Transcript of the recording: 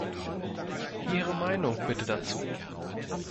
Ihre Meinung bitte dazu!